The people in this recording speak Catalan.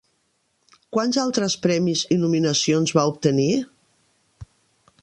Quants altres premis i nominacions va obtenir?